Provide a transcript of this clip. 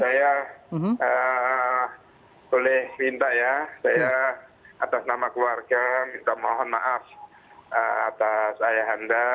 saya boleh minta ya saya atas nama keluarga minta mohon maaf atas ayah anda